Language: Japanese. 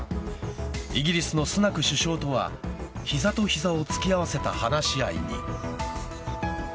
イギリスのスナク首相とは膝と膝を突き合わせた話し合いに。